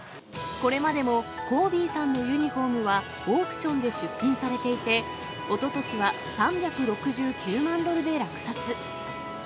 これまでもコービーさんのユニホームはオークションで出品されていて、おととしは３６９万ドルで落札。